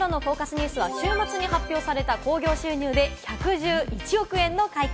ニュースは、週末に発表された興行収入で１１１億円の快挙。